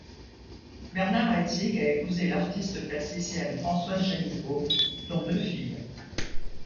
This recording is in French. Bernard Heidsieck a épousé l'artiste plasticienne Françoise Janicot, dont deux filles.